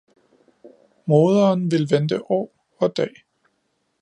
Moderen ville vente år og dag